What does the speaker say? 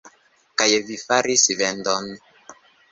Kaj vi faris vendon.